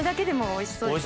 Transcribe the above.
おいしそうです。